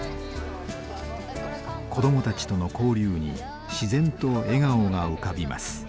子どもたちとの交流に自然と笑顔が浮かびます。